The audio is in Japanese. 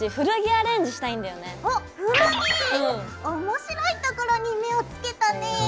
面白いところに目をつけたね！